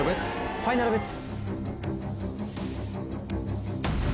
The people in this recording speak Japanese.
ファイナルベッツ。